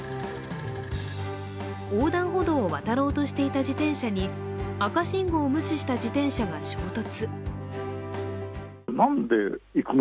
横断歩道を渡ろうとしていた自転車に赤信号を無視した自転車が衝突。